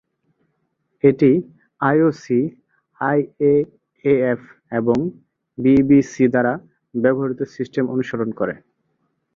এটি আইওসি, আইএএএফ এবং বিবিসি দ্বারা ব্যবহৃত সিস্টেম অনুসরণ করে।